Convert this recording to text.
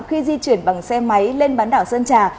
khi di chuyển bằng xe máy lên bán đảo sơn trà